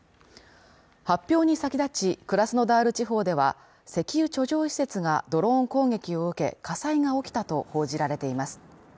発表に先立ち、クラスノダール地方では石油貯蔵施設がドローン攻撃を受け、火災が起きたと報じられています。